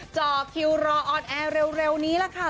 จอคิวรอออนแอร์เร็วนี้ล่ะค่ะ